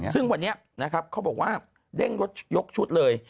ซึ่งวันนี้นะครับเขาบอกว่าเด้งรถยกชุดเลย